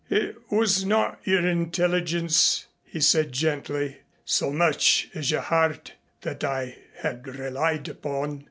"It was not your intelligence," he said gently, "so much as your heart that I had relied upon."